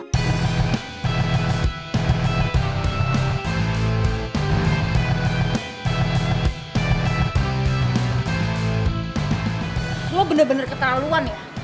lo bener bener ketahuan ya